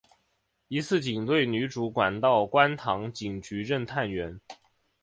一次警队女主管到观塘警局任探员。